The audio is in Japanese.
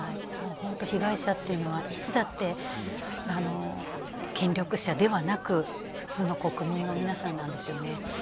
本当、被害者というのはいつだって権力者ではなく普通の国民の皆さんなんですよね。